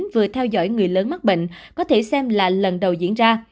vừa theo dõi người lớn mắc bệnh có thể xem là lần đầu diễn ra